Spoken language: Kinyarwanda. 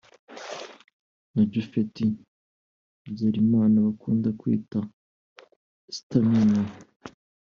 na Japhet Habyarimana bakunda kwita “Stamina”